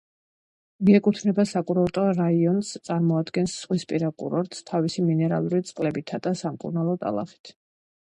მიეკუთვნება საკურორტო რაიონს, წარმოადგენს ზღვისპირა კურორტს თავისი მინერალური წყლებითა და სამკურნალო ტალახით.